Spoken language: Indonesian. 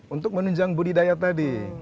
untuk menunjang budidaya tadi